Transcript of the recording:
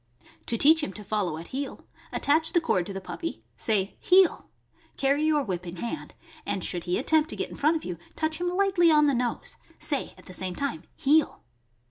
To teach him to follow at heel, attach the cord to the puppy; say "Heel!" Carry your whip in hand, and should he attempt to get in front of you, touch him lightly on the nose; say at the same time "Heel!"